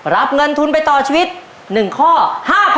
รับเงินทุนไปต่อชีวิต๑ข้อ๕๐๐๐